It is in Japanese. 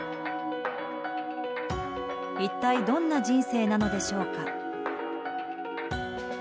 一体どんな人生なのでしょうか。